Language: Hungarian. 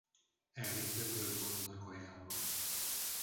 Henrik de Bourbonnak ajánlva.